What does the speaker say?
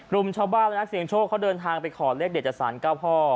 รุมชาวบ้านและนักเสียงโชคเขาเดินทางไปขอเลขเด็ดจากสารเจ้าพ่อ